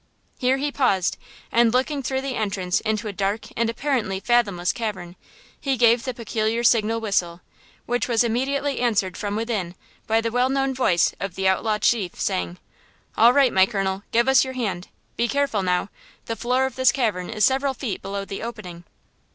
Here he paused, and, looking through the entrance into a dark and apparently fathomless cavern, he gave the peculiar signal whistle, which was immediately answered from within by the well known voice of the outlaw chief, saying: "All right, my colonel! Give us your hand! Be careful, now, the floor of this cavern is several feet below the opening."